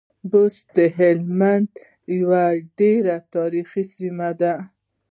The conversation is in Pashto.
بُست د هلمند يوه ډېره تاريخي سیمه ده.